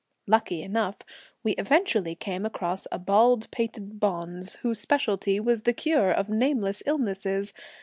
Lucky enough, we eventually came across a bald pated bonze, whose speciality was the cure of nameless illnesses.